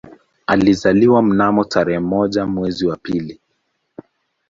Alizaliwa mnamo tarehe moja mwezi wa pili